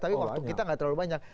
tapi waktu kita gak terlalu banyak